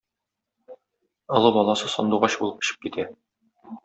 Олы баласы сандугач булып очып китә.